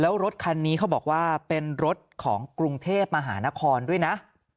แล้วรถคันนี้เขาบอกว่าเป็นรถของกรุงเทพมหานครด้วยนะ